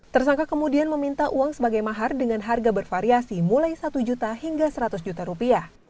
tersangka kemudian meminta uang sebagai mahar dengan harga bervariasi mulai satu juta hingga seratus juta rupiah